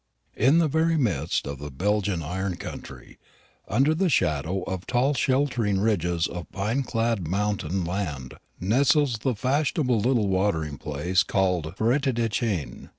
In the very midst of the Belgian iron country, under the shadow of tall sheltering ridges of pine clad mountain land, nestles the fashionable little watering place called Forêtdechêne.